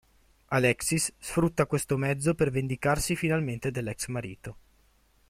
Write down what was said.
Alexis sfrutta questo mezzo per vendicarsi finalmente dell'ex-marito.